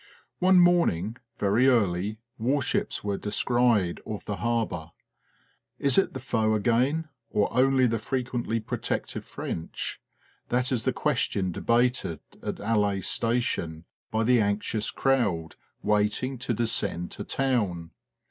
One morning, very early, warships were descried off the harbour. Is it the foe again, or only the frequently protective French? That is the question debated at Aley station by the anxious crowd waiting to descend to town.